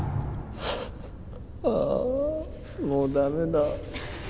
ああもう駄目だ。